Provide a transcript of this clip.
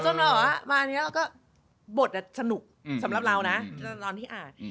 ตอนนี้เราก็บทสนุกสำหรับเรานะตอนที่อ่าน